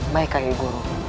baik kakek guru